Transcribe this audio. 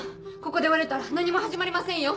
ここで折れたら何も始まりませんよ。